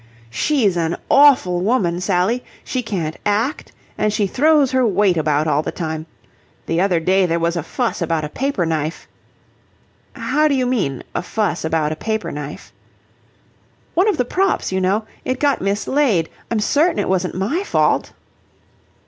"She's an awful woman, Sally! She can't act, and she throws her weight about all the time. The other day there was a fuss about a paper knife..." "How do you mean, a fuss about a paper knife?" "One of the props, you know. It got mislaid. I'm certain it wasn't my fault..."